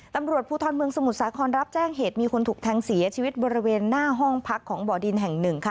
ตำรวจภูทรเมืองสมุทรสาครรับแจ้งเหตุมีคนถูกแทงเสียชีวิตบริเวณหน้าห้องพักของบ่อดินแห่งหนึ่งค่ะ